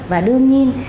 và đương nhiên